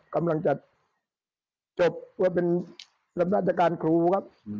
กำลังจะจบว่าเป็นรับราชการครูครับ